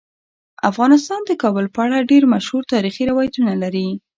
افغانستان د کابل په اړه ډیر مشهور تاریخی روایتونه لري.